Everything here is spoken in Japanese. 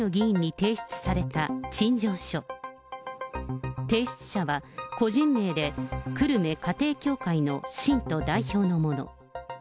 提出者は、個人名で久留米家庭教会の信徒代表のもの。